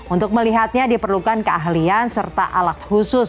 untuk melihatnya diperlukan keahlian serta alat khusus